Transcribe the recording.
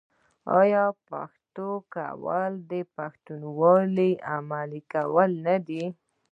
آیا پښتو کول د پښتونولۍ عملي کول نه دي؟